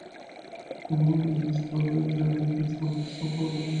কেমন হতো যদি নিশ্চিতভাবেই জানতে জীবন এমন হওয়ার কথা না।